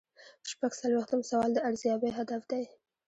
شپږ څلویښتم سوال د ارزیابۍ هدف دی.